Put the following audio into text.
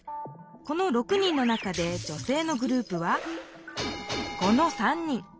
この６人の中で女性のグループはこの３人。